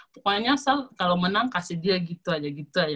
pokoknya saya kalau menang kasih dia gitu aja